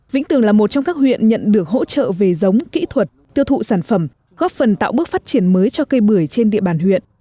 vĩnh tường là một trong các huyện nhận được hỗ trợ về giống kỹ thuật tiêu thụ sản phẩm góp phần tạo bước phát triển mới cho cây bưởi trên địa bàn huyện